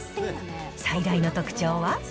最大の特徴は。